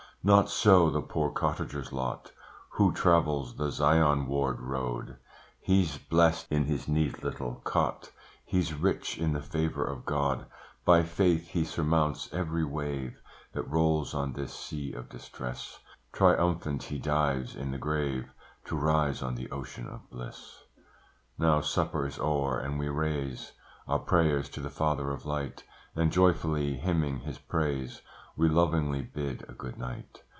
Not so, the poor cottager's lot, Who travels the Zion ward road, He's blest in his neat little cot, He's rich in the favour of God; By faith he surmounts every wave That rolls on this sea of distress: Triumphant, he dives in the grave, To rise on the ocean of bliss. Now supper is o'er and we raise Our prayers to the Father of light And joyfully hymning His praise, We lovingly bid a good night.